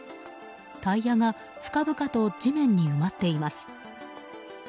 タイヤが深々と地面に埋まっています。